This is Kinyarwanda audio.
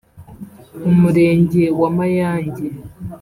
Umurenge wa Mayange